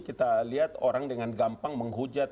kita lihat orang dengan gampang menghujat